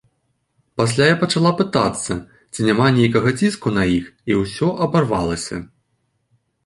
Пасля я пачала пытацца, ці няма нейкага ціску на іх і ўсё абарвалася.